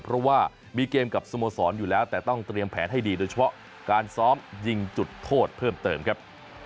เพราะว่ามีเกมกับสโมสรอยู่แล้วแต่ต้องเตรียมแผนให้ดีโดยเฉพาะการซ้อมยิงจุดโทษเพิ่มเติมครับ